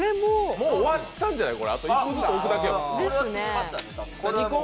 終わったんじゃない？